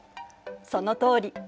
そのとおり。